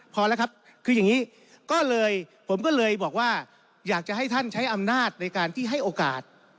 ผมก็เลยบอกว่าอยากให้ชันใช้อำนาจในการที่ให้โอกาส